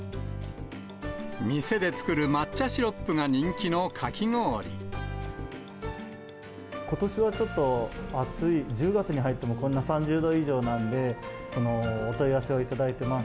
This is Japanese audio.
店で作る抹茶シロップが人気ことしはちょっと暑い、１０月に入っても、こんな３０度以上なんで、お問い合わせを頂いてます。